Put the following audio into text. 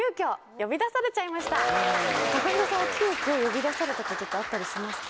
ＴＡＫＡＨＩＲＯさんは急きょ呼び出されたことってあったりしますか？